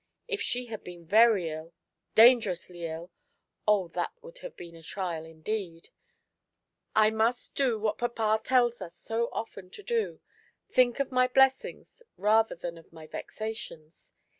If she had been very ill — dangerously ill — oh, that would have been a trial indeed ! I must do what papa tells us so 6 82 SUNDAY AT DOVE'S NEST. often f/O do — tliink of my blessings rather than of my vexations.